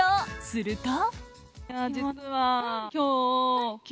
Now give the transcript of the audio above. すると。